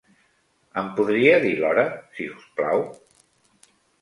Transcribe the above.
Em podria dir l'hora, si us plau?